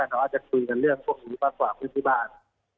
อาจจะคุยกันเรื่องพวกนี้ฟักฝากด้วยที่บ้าน